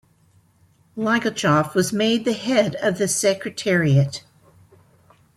Ligachyov was made head of the Secretariat.